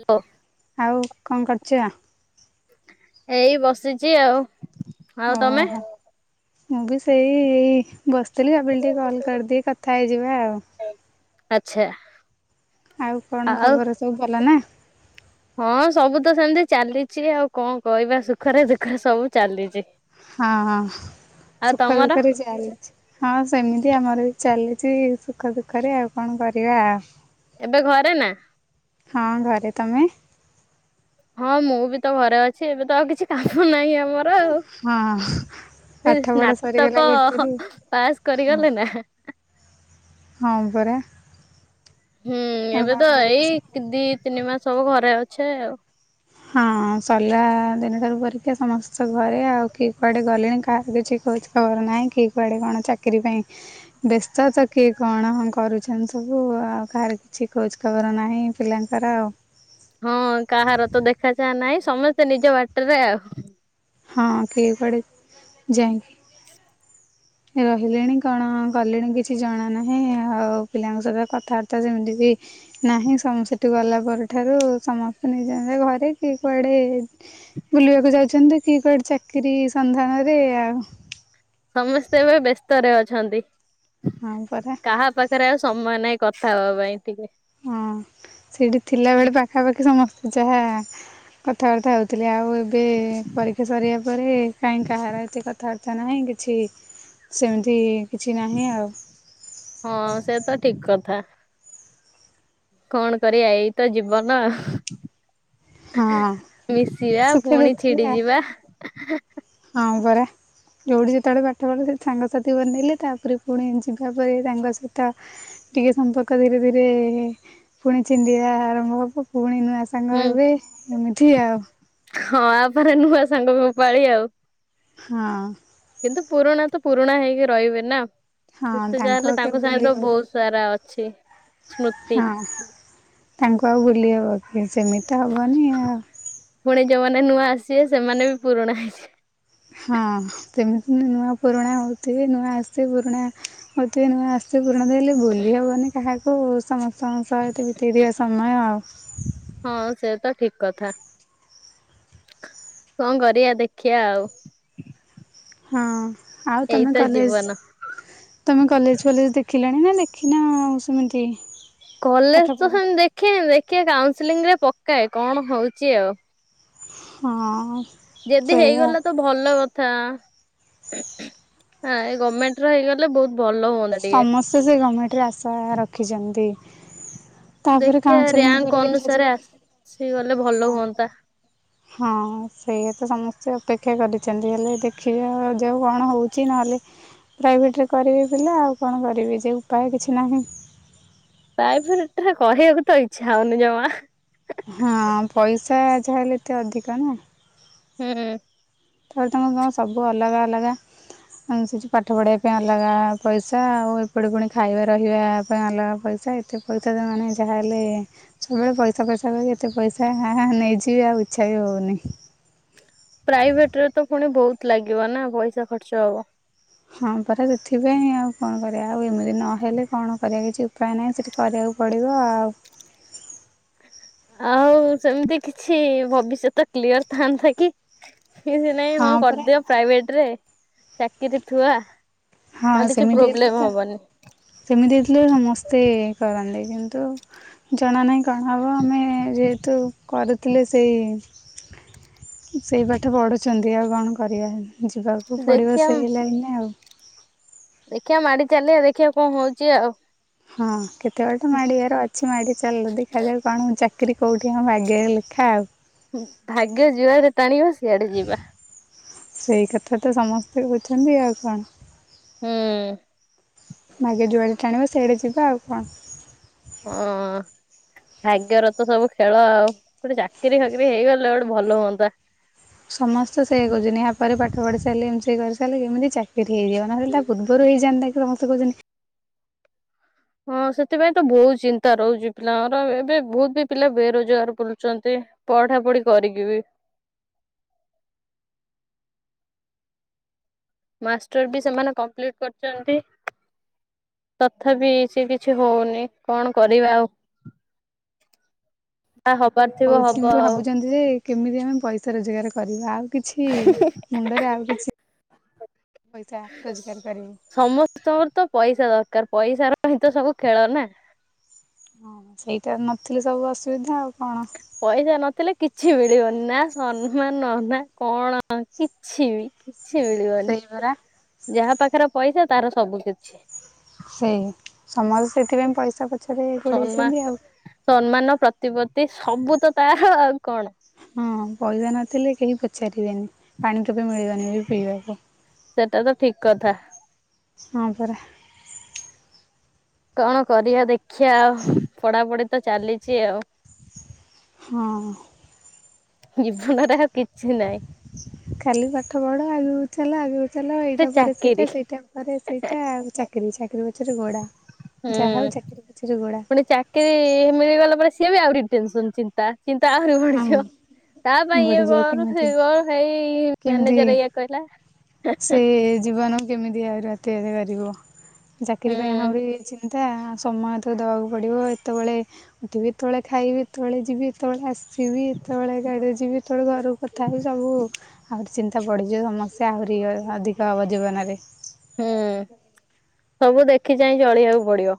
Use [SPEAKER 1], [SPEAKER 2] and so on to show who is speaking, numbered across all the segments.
[SPEAKER 1] Hello.
[SPEAKER 2] ଆଉ କଣ କରୁଛ?
[SPEAKER 1] ଏଇ ବସିଛି ଆଉ ଆଉ ତମେ?
[SPEAKER 2] ଓହୋ ମୁଁ ବି ସେଇ ବସ୍‌ ଥିଲି, ଟିକେ କଲ୍ କରି କଥା ହେଇଯିବା ଆଉ।
[SPEAKER 1] ଆଚ୍ଛା।
[SPEAKER 2] ଆଉ କ'ଣ
[SPEAKER 1] ଆଉ
[SPEAKER 2] ଖବର ସବୁ ଭଲ ନା?
[SPEAKER 1] ହଁ ସବୁ ତ ସେମ୍ତି ଚାଲିଚି, ଆଉ କଣ କହି ସୁଖରେ ଦୁଃଖରେ ସବୁ ଚାଲିଚି।
[SPEAKER 2] [inaudible] ହଁ! ସେମି ଆମର ବି ଚାଲିଚି, ସୁଖ ଦୁଃଖରେ ଆଉ କ'ଣ କରିବା?
[SPEAKER 1] ଏବେ ଘରେ ନା?
[SPEAKER 2] ହଁ! ଘରେ, ତମେ
[SPEAKER 1] ହଁ! ମୁଁ ବି ତ ଘରେ ଅଛି, ଏବେ ତ ଆଉ କିଛି କାମ ନାହିଁ ଆମର।
[SPEAKER 2] ହଁ ପାଠ ପଢା ସରିଗଲା
[SPEAKER 1] ସ୍ନାତକ
[SPEAKER 2] ଗୋଟେରୁ।
[SPEAKER 1] ପାସ୍ କରିଗଲି ନା।
[SPEAKER 2] [inaudible]
[SPEAKER 1] ହୁଁ,
[SPEAKER 2] ଆଉ
[SPEAKER 1] ଏବେ
[SPEAKER 2] କଣ
[SPEAKER 1] ତ
[SPEAKER 2] କରିବା
[SPEAKER 1] ଏଇ ଦି ତିନି ମାସ୍‌ ସବୁ ଘରେ ଅଛେ ଆଉ।
[SPEAKER 2] ହଁ! ସର୍ଲା ଦିନଠାରୁ ପରୀକ୍ଷା ସମସ୍ତ ତ ଘରେ ଆଉ, କିଏ କୁଆଡ଼େ ଗଲେଣି। କାହାକୁ କିଛି ଖବର ନାହିଁ, କିଏ କୁଆଡ଼େ କ'ଣ ଚାକିରି ପାଇଁ ବ୍ୟସ୍ତ ତ, କିଏ କ'ଣ ହ କରୁ--ନ୍ତି ସବୁ ଆଉ କାହାର କିଛି ବର ନାହିଁ, ପିଲାଙ୍କର ଆଉ।
[SPEAKER 1] ହଁ, କାହାର ତ ଦେଖା ନାହିଁ, ସମସ୍ତେ ନିଜ ବା---ରେ ଆଉ।
[SPEAKER 2] [inaudible] ରହିଲେଣି, କ'ଣ କଲେଣି କିଛି ଜଣା ନାହିଁ। ଆଉ ପିଲାଙ୍କ ସହିତ କଥାବାର୍ତ୍ତା ନାହିଁ, ସମ ଗଲା ପରଠାରୁ ସମସ୍ତେ ନିଜ ନିଜ ଘରେ କିଏ କୁଆଡ଼େ ବୁଲିବାକୁ ଯାଉଛନ୍ତି, କି କଆଡ଼େ ଚାକିରି ସନ୍ଧାନରେ ଆଉ।
[SPEAKER 1] ସମସ୍ତେ ଏବେ ବେସ୍ତରେ ଅଛନ୍ତି।
[SPEAKER 2] ହଁ, ପରା।
[SPEAKER 1] କାହା ପାଖରେ ଆଉ ସମୟ ନାହିଁ, କଥା ବା ପାଇଁ ଟିକେ।
[SPEAKER 2] ହଁ, ସେଇଠି ଥିଲା ବେଳେ ପାଖାପାଖି ସମସ୍ତେ ଯାହା କଥାବାର୍ତ୍ତା ହଉଥିଲି, ଆଉ ଏବେ ପରୀକ୍ଷା ସରିବା ପରେ କା କାହାର ଏତେ କଥାବାର୍ତ୍ତା ନାହିଁ, କିଛି ସେମ୍ତି କିଛି ନାହିଁ ଆଉ।
[SPEAKER 1] ହଁ, ସେ ତ ଠିକ୍ କଥା। କ'ଣ କରିବା, ଏଇତ ଜୀବନ ଆ
[SPEAKER 2] ହଁ
[SPEAKER 1] ମିଶିବା
[SPEAKER 2] ସୁଖେ
[SPEAKER 1] ପୁଣି
[SPEAKER 2] ଦୁଃଖେ
[SPEAKER 1] ଛିଡ଼ି
[SPEAKER 2] ଆଉ
[SPEAKER 1] ଯିବା।
[SPEAKER 2] [inaudible] ଯଉଠି ଯେତବେଳେ ସାଙ୍ଗସାଥି ବନେଇଲେ, ତା'ପରେ ପୁଣି ଯିବା ପରେ। ତାଙ୍କ ସ ଟିକେ ସମ୍ପର୍କ ଧୀରେ ଧୀରେ ଫୁଣି ଛିଣ୍ଡିବା ଆରମ୍ଭ ହବ। ଫୁଣି
[SPEAKER 1] ହୁଁ
[SPEAKER 2] ନୁଆ [inaudible]
[SPEAKER 1] ହଁ, ଆ ପରେ ନୂଆ ସାଙ୍ଗ ପାଳି ଆଉ।
[SPEAKER 2] ହଁ!
[SPEAKER 1] କିନ୍ତୁ ପୁରୁଣା ତ ପୁରୁଣା ହେଇକି ର---ବେ ନା,
[SPEAKER 2] ହଁ
[SPEAKER 1] ଯେତେ ଯାହା
[SPEAKER 2] ତାଙ୍କୁ ଆଉ
[SPEAKER 1] ହେଲେ
[SPEAKER 2] କେବେ
[SPEAKER 1] ତାଙ୍କ
[SPEAKER 2] ଭୁଲି
[SPEAKER 1] ସାଙ୍ଗ
[SPEAKER 2] ହବ
[SPEAKER 1] ରା ଅଛି। ସ୍ମୃତି
[SPEAKER 2] ହଁ, ତାଙ୍କୁ ଆଉ ଭୁଲି ହବ କି? ସେମି ହବନି ଆଉ।
[SPEAKER 1] ଫୁଣି ଯଉମାନେ ନୂଆ ଆସିବେ, ସେମାନେ ବି ପୁରୁଣା ହେଇ
[SPEAKER 2] ହଁ, ସେମିତି ନୂଆ ପୁରୁଣା ହଉଥିବେ, ନୂଆ ପୁରୁଣା ହଉଥିବେ। ନୂଆ ଭୁଲି ହେବନି କାହାକୁ, ସମସ୍ତଙ୍କ ସହି ବିତେଇ ଥିବା ସମୟ ଆଉ।
[SPEAKER 1] ହଁ, ସେ ତ ଠିକ୍ କଥା, କଣ କରିବା ଦେଖିଆ ଆଉ।
[SPEAKER 2] ହଁ, ଆଉ
[SPEAKER 1] ଏଇତ
[SPEAKER 2] ତମେ କଲେ
[SPEAKER 1] ଜୀବନ।
[SPEAKER 2] ତମେ କଲେଜ୍‌ ଫଲେଜ୍‌ ଦେଖିଲଣି ନା ଦେଖିନ ସେମି?
[SPEAKER 1] କଲେଜ ତ ସେମିତି ଦେଖି---ଦେଖିଆ କାଉଁସିଲିଂ ରେ ପକାଏ କ'ଣ ହଉଚି ଆଉ।
[SPEAKER 2] [inaudible] ସେଇଆ
[SPEAKER 1] ହେଇଗଲା ତ! ଭଲ କଥା, ଗମେଣ୍ଟ୍ ହେଇଗଲେ ବହୁ ଭଲ ହୁଅନ୍ତା ଟି
[SPEAKER 2] ସେ, ସେ ଗଭର୍ଣମେଣ୍ଟରେ ଆଶା ରଖିଛନ୍ତି। ତାପରେ କାଉନସିଲିଂ ପରେ ଦେଖାଯିବ।
[SPEAKER 1] ସିଏ ଗଲେ ଭଲ ହୁଅନ୍ତା।
[SPEAKER 2] ଁ [inaudible] ହଁ। ସେଇଆା ତ ସମସ୍ତେ ଅପେକ୍ଷା କରିଛନ୍ତି। ହେଲେ ଦେଖିବା, ଯେଉଁ କଣ ହେଉଛି। ନହେଲେ ପ୍ରାଇଭେଟ୍ରରେ କରିବେ ପିଲା ଆଉ। କଣ କରିବେ ଯେ ଉପାୟ କିଛି ନାହିଁ।
[SPEAKER 1] ପ୍ରାଇଭେଟ ରେ, କହିବାକୁ ତ ଇଚ୍ଛା ହେଉନି ଜମା
[SPEAKER 2] ହଁ। ପଇସା ଯାହା ହେଲେ, ଏତେ ଅଧିକ ନା
[SPEAKER 1] ହୁଁ
[SPEAKER 2] ତାପରେ ତମ ଗାଁ, ସବୁ ଅଲଗା, ଅଲଗା। ଆ ସେଠି ପାଠ ପଢ଼ବା ପାଇଁ ଅଲଗା ପଇସା। ଆଉ, ଏପରି ପୁଣି ଖାଇବା, ରହିବା ପାଇଁ ଅଲଗା ପଇସା। ଏ ଏହି ପଇସା, ତ ମାନେ ଯାହା ହେଲେ ସବୁବେଳେ ପଇସା, ଫଇସା କର। ଏତେ ପଇସା ନେଇଯିବେ, ଆଉ ଇଚ୍ଛା ବି ହଉନି।
[SPEAKER 1] ପ୍ରାଇଭେଟ ରେ ତ ପୁଣି ବହୁତ ଲାଗିବ ନା। ପଇସା ଖର୍ଚ୍ଚ ହବ।
[SPEAKER 2] ହଁ ପରା। ସେଥିପାଇଁ ଆଉ କଣ କରିବା, ଆଉ ଏମିତି ନହେଲେ କଣ କରିବା। କିଛି ଉପାୟ ନାହିଁ, ସେଠି କରିବାକୁ। ପଡ଼ିବ ଆଉ।
[SPEAKER 1] ଆଉ, ସେମିତି କିଛି ଭବିଷ୍ୟତ କ୍ଲିଅର ଥାନ୍ତା କି। ସେ ନାଇଁ, ହଁ କରିଦିଅ ପ୍ରାଇଭେଟ୍ ରେ ଚାକିରି ଥୁଆ।
[SPEAKER 2] ହଁ
[SPEAKER 1] ଆଉ କିଛି
[SPEAKER 2] ସେମିତି ହେଇଥିଲେ ତ
[SPEAKER 1] ପ୍ରୋବ୍ଲେମ୍ ହବନି।
[SPEAKER 2] ସେମିତି ହେଇଥିଲେ ସମସ୍ତେ କରନ୍ତେ। କିନ୍ତୁ, ଜଣା ନାହିଁ କଣ ହେବ? ଆମେ, ହଁ। ଯେହେତୁ କରୁଥିଲେ, ସେଇ ସେଇ ପାଠ ପଢ଼ୁଛନ୍ତି। ଆଉ କଣ କରିବା, ଯିବାକୁ ପଡ଼ିବ
[SPEAKER 1] ଦେଖିବା
[SPEAKER 2] ସେଇ ଲାଇନରେ ଆଉ।
[SPEAKER 1] ଦେଖିବା ମାଡି ଚାଲିବା, ଦେଖିବା କଣ ହଉଛି ଆଉ।
[SPEAKER 2] ହଁ। କେତେ ବାଟା ମାଡିବାର, ଅଛି। କିଛି, ମାଡ଼ି ଚାଲ। ଦେଖାଯାଉ, କଣ ଚାକିରି କେଉଠି ଆମ ଭାଗ୍ୟରେ ଲେଖା ଆଉ।
[SPEAKER 1] ଭାଗ୍ୟ ଯିଆଡେ ଟାଣିବ, ସିଆଡେ ଯିବା।
[SPEAKER 2] ସେଇ କଥା ତ ସମସ୍ତେ କହୁଛନ୍ତି। ଆଉ କଣ?
[SPEAKER 1] ହୁଁ।
[SPEAKER 2] ଭାଗ୍ୟ ଯୁଆଡ଼େ ଟାଣିବ, ସେଇଟେ ଯିବା। ଆଉ କଣ?
[SPEAKER 1] ହଁ। ଭାଗ୍ୟର ତ ସବୁ ଖେଳ ଆଉ ଗୋଟେ ଚାକିରି ଫାକିରି ହେଇଗଲେ ଗୋଟେ ଭଲ ହୁଅନ୍ତା।
[SPEAKER 2] ସମସ୍ତେ ସେଇଆ କରୁଛନ୍ତି ଏହା ପରେ ପାଠ ପଢ଼ି ସାରିଲେ ଏମ୍ ସି ଏ କରିସାରିଲେ କେମିତି ଚାକିରି। ସେଠି ହେଇଯିବ ନହେଲେ ପୂର୍ବରୁ ହେଇଯନ୍ କି ସମସ୍ତେ କହୁଛନ୍ତି।
[SPEAKER 1] ହଁ ସେଥିପାଇଁ ତ ବହୁତ୍ ଚିନ୍ତା ରହୁଛି ପିଲାଙ୍କର ଏବେ ବହୁତ ବି ପିଲା ବେରୋଜଗାର କରୁଚନ୍ତି। ପଢା ପଢି କରିକି ବି ମାଷ୍ଟର ବି ସେମାନେ କମ୍ପ୍ଲିଟ୍ କରଛନ୍ତି। ତଥାପି ସେ କିଛି ହଉନି କଣ କରିବା ଆଉ। ଯାହା ହବାର ଥିବ
[SPEAKER 2] ହଉଛି
[SPEAKER 1] ହବ ଆଉ
[SPEAKER 2] ଭାବୁଛନ୍ତି ଯେ କେମିତି ଆମେ ପଇସା ରୋଜଗାର କରିବା ଆଉ କିଛି ମୁଣ୍ଡରେ ଆଉ କିଛି ପଇସା ରୋଜଗାର କରିବୁ
[SPEAKER 1] ତମର ତ ପଇସା ଦରକାର ପଇସା ର ହିଁ ତ ସବୁ ଖେଳ ନା
[SPEAKER 2] ହଁ ସେଇଟା ନଥିଲେ ସବୁ ଅସୁବିଧା ଆଉ କଣ
[SPEAKER 1] ପଇସା ନଥିଲେ କିଛି ମିଳିବନି ନା ସମ୍ମାନ ନା କଣ କିଛି ବି, କିଛି ମିଳିବନି,
[SPEAKER 2] ସେଇ ପରା
[SPEAKER 1] ଯାହା ପାଖରେ ପଇସା, ତାର ସବୁ କିଛି।
[SPEAKER 2] ସେଇ, ସମସ୍ତେ ସେଥିପାଇଁ ପଇସା ପଛରେ
[SPEAKER 1] ସମ୍ମାନ
[SPEAKER 2] ଗୋଡ଼େଇଛନ୍ତି ଆଉ।
[SPEAKER 1] ସମ୍ମାନ ପ୍ରତିପତ୍ତି ସବୁ ତ ତାର ଆଉ କଣ?
[SPEAKER 2] ହଁ ପଇସା ନଥିଲେ କେହି ପଚାରିବେନି ପାଣି ଟୋପେ ବି ମିଳିବନି ଏ ପିଇବାକୁ।
[SPEAKER 1] ସେଟା ତ ଠିକ୍ କଥା
[SPEAKER 2] ହଁ ପରା।
[SPEAKER 1] କଣ କରିବା ଦେଖିବା ଆଉ ପଢାପଢି ତ ଚାଲିଛି ଆଉ
[SPEAKER 2] ହଁ।
[SPEAKER 1] ଜୀବନରେ ଆଉ କିଛି ନାଇଁ।
[SPEAKER 2] ଖାଲି ପାଠ ପଢ଼ ଆଗକୁ ଚାଲ ଆଗକୁ ଚାଲ
[SPEAKER 1] ସେ
[SPEAKER 2] ଏଇଟା ପରେ ସେଇଟା
[SPEAKER 1] ଚାକିରି
[SPEAKER 2] ସେଇଟା ପ ପରେ ସେଇଟା ଆଉ ଚାକିରି ଚାକିରି ପଛରେ ଗୋଡ଼ା ଯାହା ହେଉ ଚାକିରି ପଛରେ ଗୋଡ଼ା।
[SPEAKER 1] କିରି ମିଳିଗଲା ପରେ ସିଏ ବି ଆହୁରି ଟେନସନ ଚି ତା ଚିନ୍ତା ଆହୁରି
[SPEAKER 2] ହଁ।
[SPEAKER 1] ବଢିଯିବ ତା ପାଇଁ ଇଏ
[SPEAKER 2] ବଢ଼ିଯାଉ
[SPEAKER 1] କର
[SPEAKER 2] କେମିତି
[SPEAKER 1] ସିଏ କର ହେଇ
[SPEAKER 2] କେମିତି
[SPEAKER 1] ମ୍ୟାନେଜର ଏଇଆ କହିଲା
[SPEAKER 2] ସେ ଜୀବନ କୁ କେମିତି ଆଉ ରାତିଆରେ କରିବ ଚାକିରି
[SPEAKER 1] ହୁଁ
[SPEAKER 2] ପାଇଁ ଆହୁରି ଚି ନ୍ତା ଆଉ ସମୟ ତାକୁ ଦବାକୁ ପଡ଼ିବ ଏତ ବେଳେ ଉଠିବି ଏତବେଳେ ଖାଇବି ଏତବେଳେ ଯିବି ଏତବେଳେ ଆସିବି ଏତବେଳେ ଗାଡିରେ ଯିବି ଏତବେଳେ ଘରକୁ ତଥାପି ସବୁ ଆହୁରି ଚିନ୍ତା ପଡ଼ିଯିବ ସମସ୍ୟା ଆହୁରି ଅଧିକ ହେବ ଜୀବନରେ।
[SPEAKER 1] ହୁଁ ସବୁ ଦେଖି ଚାଇଁ ଚଳିବାକୁ ପଡିବ।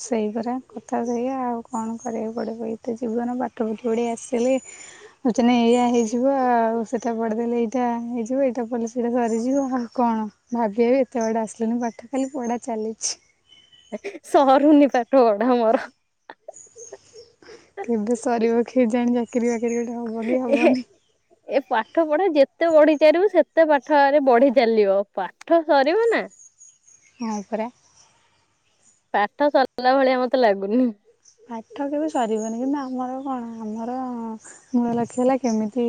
[SPEAKER 2] ସେଇ ପରା କଥା ସେଇଆ ଆଉ କଣ କରିବାକୁ ପଡ଼ିବ ଏଇତ ଜୀବନ ପାଠ ପୁଠି ବଢ଼ି ଆସିଲି। [unintelligible] ଏଇଆ ହେଇଯିବ ଆଉ ସେଟା ପଢିଦେଲେ ଏଇଟା ହେଇଯିବ ଏଇଟା ପଢିଲେ ସେଟା ସରିଯିବ ଆଉ କଣ। ଭାବି ଭବି ଏତେ ବାଟ ଆସିଲିଣି ପାଠ ଖାଲି ପଢା ଚାଲିଛି।
[SPEAKER 1] ସରୁନି ପାଠ ପଢା ମୋର।
[SPEAKER 2] କେବେ ସରିବ କେ ଜାଣି ଚାକିରୀ ବାକିରି ଗୋଟେ ହବ କି
[SPEAKER 1] ମୋର।
[SPEAKER 2] ହବନି?
[SPEAKER 1] ଏ ପାଠ ପଢା ଯେତେ ବଢିଚଲିବ ସେତେ ପାଠ ଆହୁରି ବଢି ଚାଲିବ ପାଠ ସରିବ ନା।
[SPEAKER 2] ହଁ ପରା।
[SPEAKER 1] ପାଠ ସରିଲା ଭଳିଆ ମତେ ଲାଗୁନି।
[SPEAKER 2] ପାଠ କେବେ ସରିବନି କିନ୍ତୁ ଆମର କଣ ଆମର ମୂଳ ଲକ୍ଷ ହେଲା କେମିତି?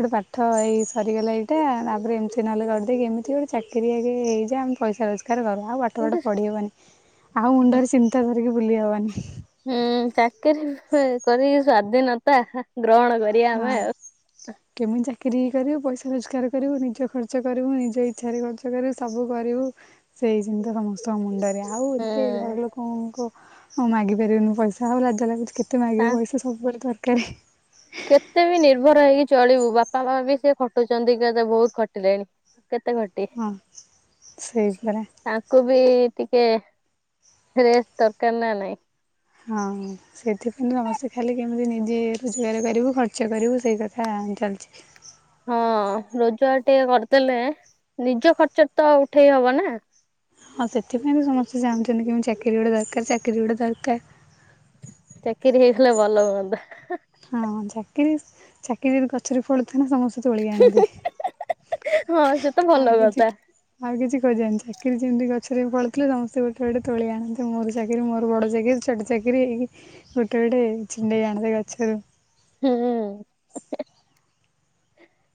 [SPEAKER 2] ଗୋଟେ ପାଠ ଏଇ ସରିଗଲା ଏଇଟା ତାପରେ ଏମ୍ ସି ନା ଲ୍ କରିଦେଇକି ଏମିତି ଗୋଟେ ଚାକିରି ଆଗେ ହେଇଯା ଆମେ ପଇସା ରୋଜ [unintelligible] ଆଉ ପାଠ
[SPEAKER 1] ହୁଁ
[SPEAKER 2] ଫାଟ ପଢି ହବନି ଆଉ ମୁଣ୍ଡରେ ଚିନ୍ତା ପୁରେଇକି ବୁଲି ହବନି।
[SPEAKER 1] ହୁଁ ଚାକିରିୀ କରିିକି ସ୍ଵାଧୀନତା ଗ୍ରହଣ କର।
[SPEAKER 2] ହଁ।
[SPEAKER 1] [inaudible]
[SPEAKER 2] କେମିତି ଚାକିର କରିବୁ ପଇସା ରୋଜଗାର କରିବୁ ନିଜ ଖର୍ଚ୍ଚ କରିବୁ ନିଜ ଇଚ୍ଛାରେ ବଞ୍ଚି ପାରିବୁ ସବୁ କରିବୁ। ସେଇ ଚିନ୍ତା ସମସ୍ତଙ୍କ ମୁଣ୍ଡରେ ଆ ଆଉ
[SPEAKER 1] ହୁଁ
[SPEAKER 2] ଏତେ ଘର ଲୋକଙ୍କୁ ମାଗି ପାରିବୁନି ପଇସା ଆଉ ଲାଜ ଲାଗୁଛି କେତେ
[SPEAKER 1] ତା
[SPEAKER 2] ମାଗିବୁ ପଇସା [unintelligible] ଦରକାରେ।
[SPEAKER 1] କେତେ ବି ନିର୍ଭର ହେଇକି ଚଳିବୁ ବାପା ମା ବି ସେ ଖଟୁଛନ୍ତି କେତେ ବହୁତ୍ ଖଟିଲେଣି। କେତେ ଖଟିବେ
[SPEAKER 2] ହଁ ସେଇ
[SPEAKER 1] ଛି
[SPEAKER 2] ପରା
[SPEAKER 1] ତାଙ୍କୁ ବି ଟିକେ ରେଷ୍ଟ ଦରକାର୍ ନା ନାଇଁ।
[SPEAKER 2] ହଁ। ସେଥିପାଇଁ ସମସ୍ତେ ଖାଲି କେମିତି ନିଜେ ରୋଜଗାର କରିବୁ ଖର୍ଚ୍ଚ କରିବୁ ସେଇ କଥା ଚାଲିଛି।
[SPEAKER 1] ହଁ ରୋଜଗାର ଟିକେ କରିଦେଲେ ନିଜ ଖର୍ଚ୍ଚ ତ ଉଠେଇ ହବ ନାଁ।
[SPEAKER 2] ହଁ ସେଥିପାଇଁ ତ ସମସ୍ତେ ଚାହୁଁଛନ୍ତି କେମିତି ଚାକିରି ଗୋଟେ ଦରକାର୍ ଚାକିରି ଗୋଟେ ଦରକାର୍।
[SPEAKER 1] ଚାକିରି ହେଇଗଲେ ଭଲ ହୁଅନ୍ତା।
[SPEAKER 2] ହଁ ଚାକିରି ଚାକିରିରେ କ ଗଛରେ ଫଳୁ ଥିଲେ ସମସ୍ତେ ତୋଳି ଅଣନ୍ତେ
[SPEAKER 1] ହଁ ସେ ତ
[SPEAKER 2] ଆଉ
[SPEAKER 1] ଭଲ
[SPEAKER 2] କିଛି
[SPEAKER 1] କଥା
[SPEAKER 2] ଆଉ କିଛି ଖୋଜେନ ଚାକିରି ଯେମିତି ଗଛରେ ପଳୁଥିଲେ ସମସ୍ତେ ଗୋଟେ ଗୋଟେ ତୋଳି ଆଣନ୍ତେ ମୋର ଚାକିରି ମୋର ବଡ ଚାକିରି ଛୋଟ ଚାକିରି ହେଇକି ଗୋଟେ ଗୋଟେ ଛିଣ୍ଡେଇ ଆଣାନ୍ତେ ଗଛରୁ।
[SPEAKER 1] ହୁଁ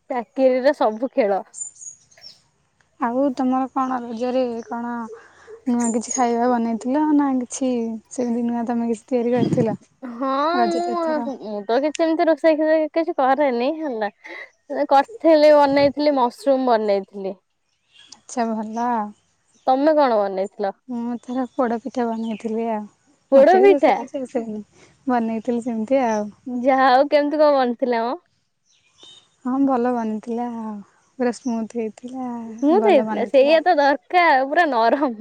[SPEAKER 1] ଚାକିରିର ସବୁ ଖେଳ।
[SPEAKER 2] ଆଉ ତମର କଣ ରଜରେ କଣ ନୂଆ କିଛି ଖାଇବା ବନେଇଥିଲ ନା କିଛି ସେମିତି ନୂଆ ତମେ କିଛି ତିଆରି କରିଥିଲ
[SPEAKER 1] ହଁ
[SPEAKER 2] ରଜରେ ଏଥର
[SPEAKER 1] ମୁଁ ମୁଁ ତ କିଛି ସେମିତି ରୋଷେଇ [unintelligible] କିଛି କରେନି ହେଲା। କରି ଥିଲି ବନେଇଥିଲି ମସୃମ ବନେଇଥିଲି।
[SPEAKER 2] ଆଛା ଭଲ ଆଉ।
[SPEAKER 1] ତମେ କଣ ବନେଇଥିଲ?
[SPEAKER 2] ମୁଁ ଥରେ ପୋଡ଼ ପିଠା ବନେଇଥିଲି ଆଉ
[SPEAKER 1] ପୋଡ
[SPEAKER 2] ମତେ ବି
[SPEAKER 1] ପିଠା
[SPEAKER 2] ରୋଷେଇ କିଛି ଆସ ସେନି ବନେଇଥିଲି ସେମିତି ଆଉ।
[SPEAKER 1] ଯାହା ଆଉ କେମିତି କଣ ବନିଥିଲା ମ?
[SPEAKER 2] ହଁ ଭଲ ବନିଥିଲା ଆଉ ପୁରା ସ୍ମୁଥ ହେଇ ଥିଲା।
[SPEAKER 1] ସ୍ମୁଦ ହେଇଥିଲା ସେଇଆତ ଦରକାର ପୁରା ନରମ।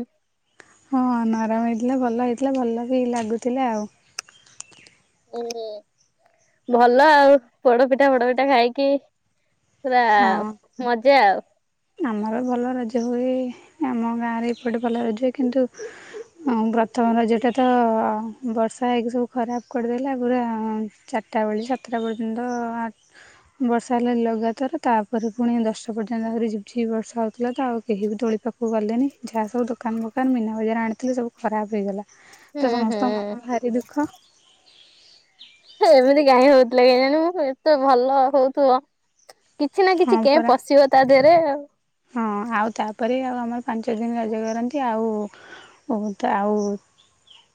[SPEAKER 2] ହଁ ନରମ ହେଇଥିଲା ଭଲ ହେଇଥିଲା ଭଲ ବି ଲାଗୁଥିଲା ଆଉ।
[SPEAKER 1] ହୁଁ ଭଲ ଆଉ ପୋଡ ପିଠା ଫୋଡ ପିଠା ଖାଇକି ପୁରା
[SPEAKER 2] ହଁ
[SPEAKER 1] ମଜା ଆଉ
[SPEAKER 2] ଆମର ଭଲ ରଜ ହୁଏ ଆମ ଗାଁରେ ଏପଟେ ଭଲ ରଜ ହୁଏ କିନ୍ତୁ ହଁ ପ୍ରଥମ ରଜଟା ତ ବର୍ଷା ହେଇକି ସବୁ ଖରାପ କରିଦେଲ ପୁରା ଚା ରିଟା ବେଳେ ସାତଟା ପର୍ଯ୍ୟନ୍ତ ଆ ବର୍ଷା ହେଲା ଲଗାତାର ତାପରେ ପୁଣି ଦଶତ ପର୍ଯ୍ୟନ୍ତ ଆହୁରି ଯିବ କିଛି ବର୍ଷା ହେଉଥିଲା ତ ଆଉ କେହି ବି ଦୋଳି ପାଖକୁ ଗଲେନି ଯାହା ସବୁ ଦୋକାନ ଫୋକାନ ମିନା ବଜାର ଆଣିଥିଲେ ସବୁ ଖରାପ ହେଇଗଲା। ତ
[SPEAKER 1] ହୁଁ
[SPEAKER 2] ସମସ୍ତଙ୍କ
[SPEAKER 1] ହୁଁ।
[SPEAKER 2] ମନ ଭାରି ଦୁଃଖ।
[SPEAKER 1] ଏମିତି କାହିଁ ହଉଥିଲା କେଜାଣି ମୁ ଏତେ ଭଲ ହଉଥିବ। କିଛି ନା କିଛି
[SPEAKER 2] ହଁ
[SPEAKER 1] କେଏ
[SPEAKER 2] ପରା
[SPEAKER 1] ପଶିବ ତା ଦେହରେ ଆଉ।
[SPEAKER 2] ହଁ ଆଉ ତାପରେ ଆଉ ଆମର ପାଞ୍ଚ ଦିନ ରଜ କରନ୍ତି ଆଉ ଓ ତ ଆଉ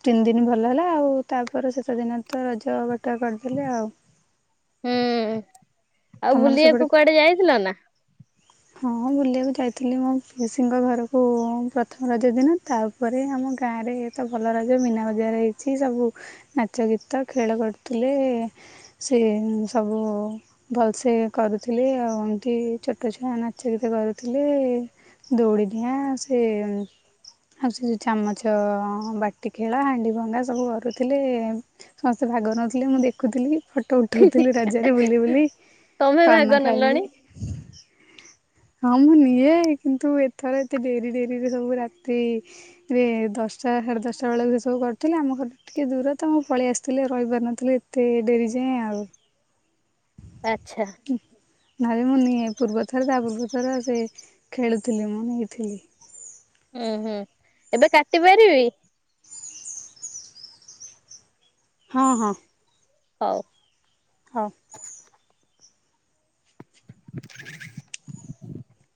[SPEAKER 2] ତିନି ଦିନ ଭଲ ହେଲା ଆଉ ତାପରେ ଶେଷ ଦିନ ତ ରଜ ବଟା କରିଦେଲେ ଆଉ
[SPEAKER 1] ହୁଁ ଆଉ
[SPEAKER 2] ତମର ସେପଟେ
[SPEAKER 1] ବୁଲିବାକୁ କୁଆଡ଼େ ଯାଇଥିଲ ନା?
[SPEAKER 2] ହଁ ବୁଲିବାକୁ ଯାଇଥିଲି ମୋ ପିଉସିଙ୍କ ଘରକୁ ପ୍ରଥମ ରଜ ଦିନ ତା ତାପରେ ଆମ ଗାଁରେ ତ ଭଲ ରଜ ମିନା ବଜାର ହେଇଛି ସବୁ ନାଚ ଗୀତ ଖେଳ କରୁଥିଲେ। ସିଏ ସବୁ ଭଲସେ କରୁଥିଲେ ଆଉ ଏମତି ଛୋଟ ଛୋ ନା ନାଚ ଗୀତ କରୁଥିଲେ ଦୌଡ଼ିଡିଆଁ ସେ ଆଉ ସେ ଚାମଚ ବାଟି ଖେଳ ହାଣ୍ଡି ଭଙ୍ଗା ସବୁ କରୁଥିଲେ ସମସ୍ତେ ଭାଗ ନଉଥିଲେ ମୁଁ ଦେଖୁଥିଲି। ଫଟୋ ଉଠଉଥିଲି ରଜରେ ବୁଲି ବୁଲି
[SPEAKER 1] ତମେ
[SPEAKER 2] ପାନ
[SPEAKER 1] ଭାଗ
[SPEAKER 2] ଖାଇଲି।
[SPEAKER 1] ନେଲଣି
[SPEAKER 2] ହଁ ମୁଁ ନିଏ କିନ୍ତୁ ଏଥର ଏତେ ଡେରି ଡେରିରେ ସବୁ ରାତି ଦଶଟା ସାଢ଼େ ଦଶଟା ବେଳେ ବି ସବୁ କରୁଥିଲେ ଆମ ଘର ଟିକେ ଦୂର ତ ମୁଁ ପଳେଇ ଆସିଥିଲି ରହିିପାରି ନଥିଲି ଏତେ ଡେରି ଯାଏଁ ଆଉ
[SPEAKER 1] ଆଚ୍ଛା।
[SPEAKER 2] ନହେଲେ ମୁଁ ନିଏ ପୂର୍ବ ଥର ତା ପୂର୍ବ ଥର ସେ ଖେଳୁଥିଲେ ମୁଁ ନେଇଥିଲି।
[SPEAKER 1] ଉୁଁ ହୁଁ ଏବେ କାଟି ପାରିବି?
[SPEAKER 2] ହଁ ହଁ।
[SPEAKER 1] ହଉ।
[SPEAKER 2] ହଁ।
[SPEAKER 1] [inaudible]